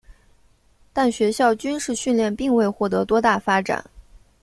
但学校军事训练并未获得多大发展。